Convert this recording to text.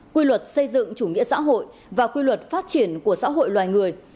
quy luật xây dựng chủ nghĩa xã hội và quy luật phát triển của xã hội loài người